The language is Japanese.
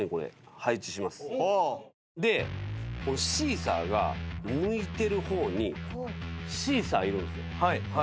でシーサーが向いてる方にシーサーいるんすよ別の。